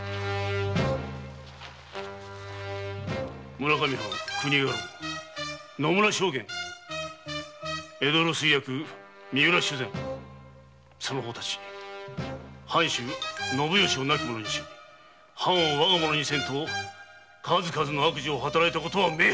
村上藩国家老・野村将監江戸留守居役・三浦主膳その方たち藩主・信良を亡き者にし藩を我がものにせんと数々の悪事を働いたことは明白！